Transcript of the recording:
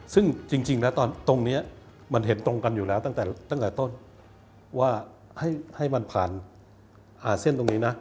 ซึ่งจริงแล้วตรงนี้มันเห็นตรงกันอยู่แล้วตั้งแต่ต้นว่าให้มันผ่านหาเส้นตรงนี้นะ